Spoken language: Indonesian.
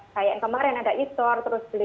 kayak yang kemarin ada isor